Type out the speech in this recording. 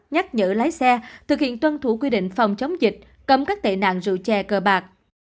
nhắc nhữ lái xe thực hiện tuân thủ quy định phòng chống dịch cầm các tệ nạn rượu che cơ bạc